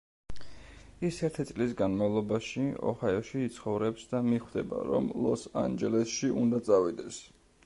ის ერთი წლის განმავლობაში ოჰაიოში იცხოვრებს და მიხვდება, რომ ლოს-ანჯელესში უნდა წავიდეს.